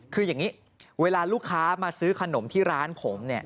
คืออย่างนี้เวลาลูกค้ามาซื้อขนมที่ร้านผมเนี่ย